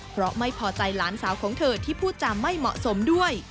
เพราะไม่พอใจหลานสาวของเธอที่พูดจาไม่เหมาะสมด้วย